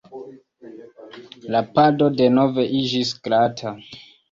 La pado denove iĝis glata.